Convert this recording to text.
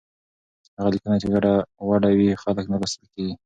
هغه لیکنه چې ګډوډه وي، خلک نه لوستل کېږي.